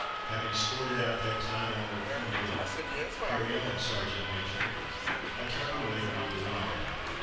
Having squirted out that time honoured formula, "Carry on, sergeant major,'' I turned away to read the wire.